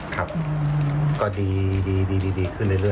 ครับก็ดีขึ้นเรื่อย